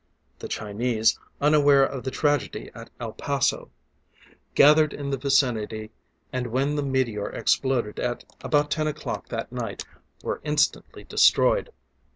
The Chinese, unaware of the tragedy at El Paso, gathered in the vicinity, and when the meteor exploded at about ten o'clock that night, were instantly destroyed.